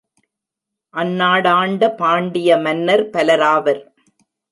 அந்நாடாண்ட பாண்டிய மன்னர் பலராவர்.